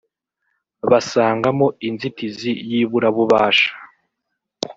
basangamo inzitizi y’iburabubasha